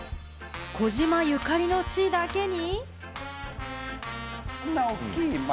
児嶋ゆかりの地だけに。